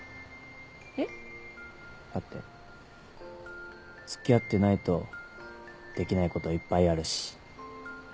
えっ？だって付き合ってないとできないこといっぱいあるし。